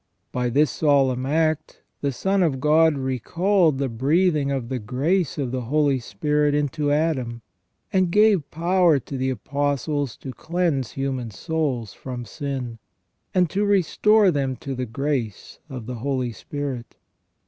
By this solemn act the Son of God recalled the breathing of the grace of the Holy Spirit into Adam, and gave power to the Apostles to cleanse human souls from sin, and to restore them to the grace of the Holy Spirit.